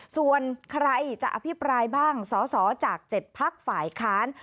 ส่วนใครจะอภิปรายบ้างสสจาก๗พักฝ่ายค้าน